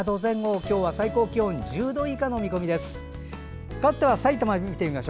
今日は最高気温は１０度以下の見込みです。